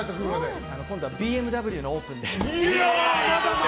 今度はＢＭＷのオープンで。